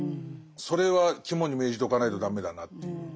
それは肝に銘じておかないと駄目だなという。